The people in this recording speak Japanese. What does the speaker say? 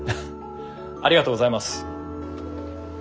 ありがとうございます。